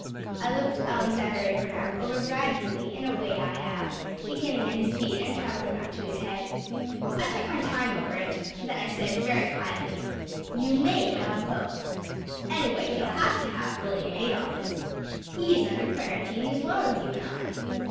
‚ÄĚ I looked Alexander Abraham over gradually, in a way I have, beginning at his feet and traveling up to his head. I took my time over it; and then I said, very quietly. “You may have both. Anyway, you’ll have to have William Adolphus. He is under quarantine as well as you and I.